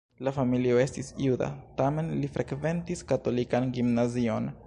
La familio estis juda, tamen li frekventis katolikan gimnazion.